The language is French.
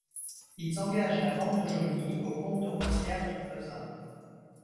Ils engagent la vente de Jaulny au Comte de Rosières d’Euvezin.